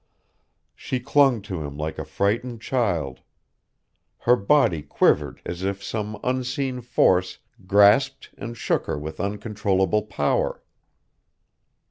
She clung to him like a frightened child. Her body quivered as if some unseen force grasped and shook her with uncontrollable power.